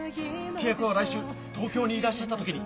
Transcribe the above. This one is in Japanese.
契約は来週東京にいらっしゃった時に。